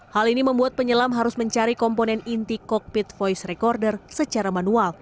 hal ini membuat penyelam harus mencari komponen inti kokpit voice recorder secara manual